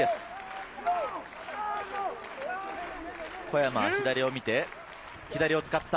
小山が左を見て、左を使った。